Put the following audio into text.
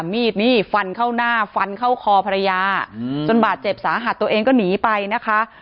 มีดนี่ฟันเข้าหน้าฟันเข้าคอภรรยาจนบาดเจ็บสาหัสตัวเองก็หนีไปนะคะ